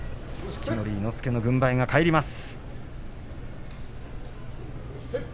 式守伊之助の軍配が返ります。